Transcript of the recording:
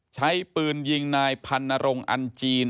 ใช้ปืนยิงนายพันนรงค์อันจีน